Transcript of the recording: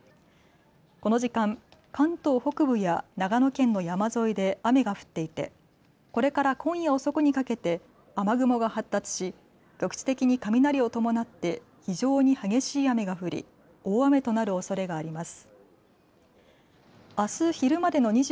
この時間、関東北部や長野県の山沿いで雨が降っていてこれから今夜遅くにかけて雨雲が発達し局地的に雷を伴って非常に激しい雨が降り大雨となるおそれがあります。